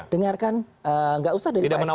dengarkan tidak usah dari pak sby sendiri